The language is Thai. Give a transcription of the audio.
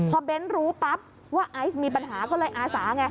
พอเบนซ์รู้ปั๊บว่าไอซ์มีปัญหาเขาเลยอาสา